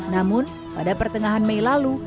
namun pada pertengahan mei lalu